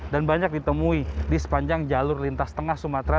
dan banyak ditemui di sepanjang jalur lintas tengah sumatera